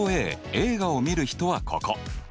映画をみる人はここ。